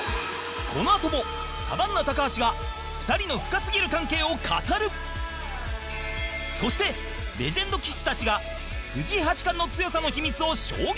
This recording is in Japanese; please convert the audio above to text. このあとも、サバンナ高橋が２人の深すぎる関係を語るそして、レジェンド棋士たちが藤井八冠の強さの秘密を証言